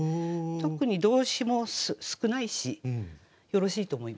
特に動詞も少ないしよろしいと思いました。